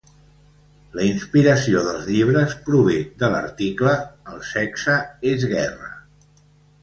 La inspiració dels llibres prové de l'article "El sexe és guerra!".